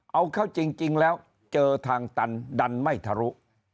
เอาเข้าจริงแล้วเจอทางตันดันไม่ทะลุ